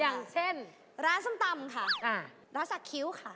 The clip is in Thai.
อย่างเช่นร้านส้มตำค่ะร้านสักคิ้วค่ะ